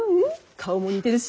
顔も似てるし。